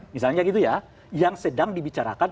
misalnya gitu ya yang sedang dibicarakan